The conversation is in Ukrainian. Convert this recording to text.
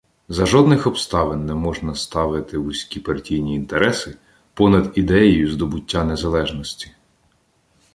За жодних обставин не можна ставити вузькі партійні інтереси понад ідеєю здобуття незалежності.